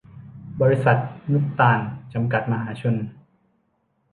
บริษัท นุตตาร จำกัด มหาชน